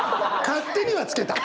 勝手には付けた。